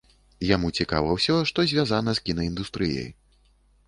Яму цікава ўсё, што звязана з кінаіндустрыяй.